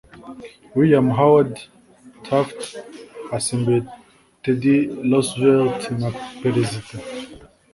william howard taft asimbuye teddy roosevelt nka perezida